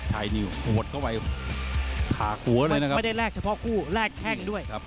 แข้งขวาสาตาระแข้ง